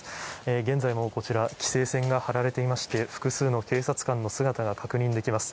現在もこちら、規制線が張られていまして、複数の警察官の姿が確認できます。